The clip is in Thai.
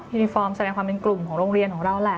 นิฟอร์มแสดงความเป็นกลุ่มของโรงเรียนของเราแหละ